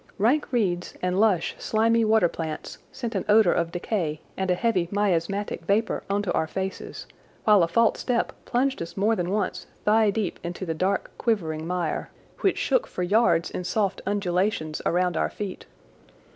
Rank reeds and lush, slimy water plants sent an odour of decay and a heavy miasmatic vapour onto our faces, while a false step plunged us more than once thigh deep into the dark, quivering mire, which shook for yards in soft undulations around our feet.